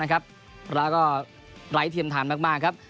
ก็หลายเทียมทานมากครับ